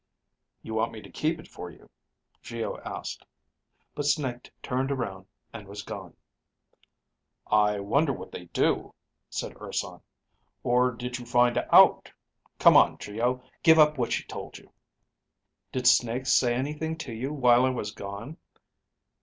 "You want me to keep it for you?" Geo asked. But Snake turned around and was gone. "I wonder what they do?" said Urson. "Or did you find out. Come on, Geo, give up what she told you." "Did Snake say anything to you while I was gone?"